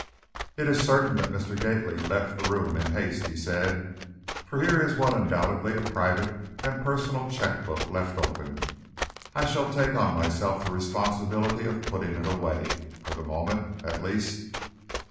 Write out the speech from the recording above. "It is certain that Mr. Gately left the room in haste," he said, "for here is what is undoubtedly a private and personal checkbook left open. I shall take on myself the responsibility of putting it away, for the moment, at least."